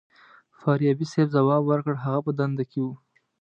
فاریابي صیب ځواب ورکړ هغه په دنده کې و.